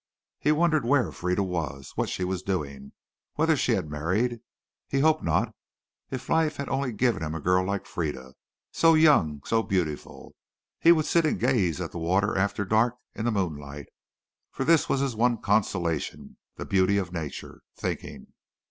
He wondered where Frieda was, what she was doing, whether she had married. He hoped not. If life had only given him a girl like Frieda so young, so beautiful! He would sit and gaze at the water after dark in the moonlight, for this was his one consolation the beauty of nature thinking.